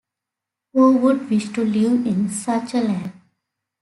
Who would wish to live in such a land?